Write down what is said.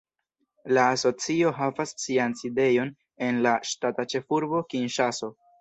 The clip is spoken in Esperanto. La asocio havas sian sidejon en la ŝtata ĉefurbo Kinŝaso.